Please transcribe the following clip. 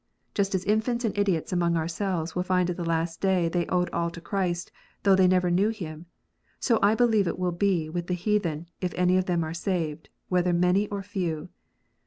Just as infants and idiots among ourselves will find at the last day they owed all to Christ, though they never knew Him, so I believe it will be with the heathen, if any of them are saved, whether many or few.